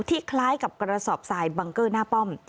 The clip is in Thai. คล้ายกับกระสอบทรายบังเกอร์หน้าป้อม